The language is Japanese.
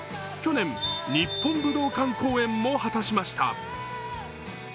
去年、日本武道館公演も果たしました。